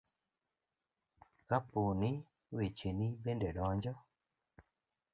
kapo ni wecheni bende donjo